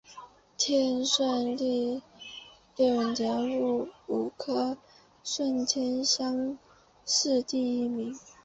天顺六年壬午科顺天乡试第一名。